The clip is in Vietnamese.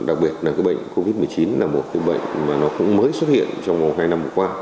đặc biệt là covid một mươi chín là một bệnh mới xuất hiện trong hai năm vừa qua